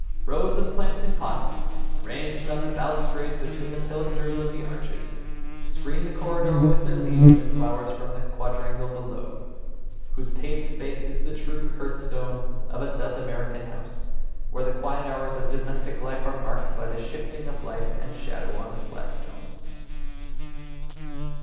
Rows of plants in pots, ranged on the balustrade between the pilasters of the arches, screened the corredor with their leaves and flowers from the quadrangle below, whose paved space is the true hearthstone of a South American house, where the quiet hours of domestic life are marked by the shifting of light and shadow on the flagstones.